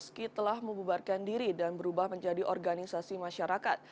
meski telah membubarkan diri dan berubah menjadi organisasi masyarakat